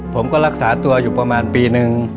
ผมก็รักษาตัวอยู่ประมาณปีนึง